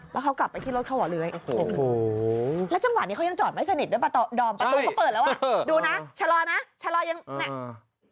แล้วเขากลับไปที่รถเขาเหรอเลื้อยโอ้โหแล้วจังหวะนี้เขายังจอดไม่สนิทด้วยปะดอมประตูเขาเปิดแล้วอ่ะดูนะชะลอนะชะลอยังเนี่ย